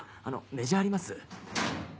メジャーあります？